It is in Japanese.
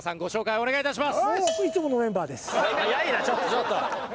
お願いします。